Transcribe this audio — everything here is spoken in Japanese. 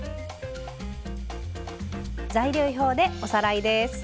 材料表でおさらいです。